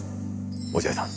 落合さん